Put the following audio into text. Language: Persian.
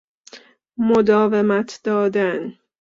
مداومت دادن